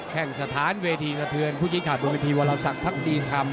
แค่งสถานเวทีกระเทือนผู้ชี้ขาดบนวิธีวรสักพักดีคำ